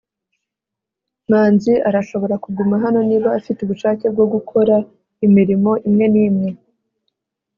manzi arashobora kuguma hano niba afite ubushake bwo gukora imirimo imwe n'imwe